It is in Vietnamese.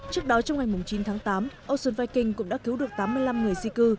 trước đó trong ngày chín tháng tám ocean viking cũng đã cứu được tám mươi năm người di cư